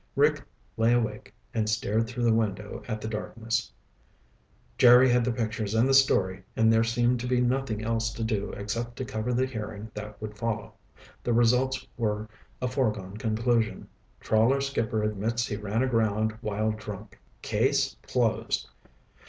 Rick lay awake and stared through the window at the darkness. Jerry had the pictures and story and there seemed to be nothing else to do except to cover the hearing that would follow. The results were a foregone conclusion. Trawler skipper admits he ran ship aground while drunk. Case closed.